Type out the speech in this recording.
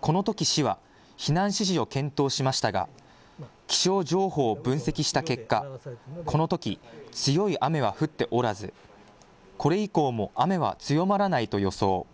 このとき市は避難指示を検討しましたが気象情報を分析した結果、このとき強い雨は降っておらずこれ以降も雨は強まらないと予想。